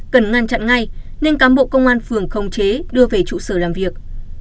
cần ngăn chặn ngay nên cám bộ công an phường khống chế đưa về trụ sở làm việc